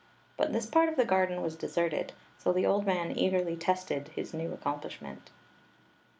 But this part of the garden was deserted, so the old man eagerly tested his new accomplishment.